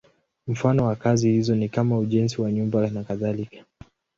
Mfano wa kazi hizo ni kama ujenzi wa nyumba nakadhalika.